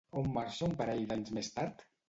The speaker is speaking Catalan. On marxa un parell d'anys més tard?